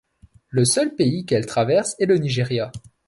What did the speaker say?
Le seul pays qu'elle traverse est le Nigeria.